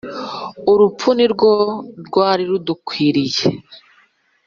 Urupfu ni rwo rwari rudukwiriye